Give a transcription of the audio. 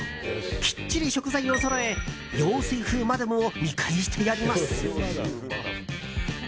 きっちり食材をそろえ陽水風マダムを見返してやります。